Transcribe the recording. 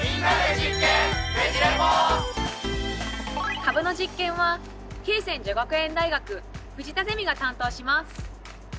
カブの実験は恵泉女学園大学藤田ゼミが担当します。